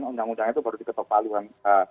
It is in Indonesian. undang undang itu baru diketuk pahaluan